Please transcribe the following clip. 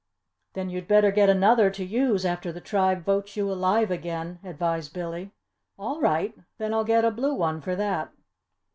"Then you'd better get another to use after the tribe votes you alive again," advised Billy. "All right, then I'll get a blue one for that."